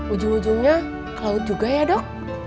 ujung ujungnya ke laut juga ya dok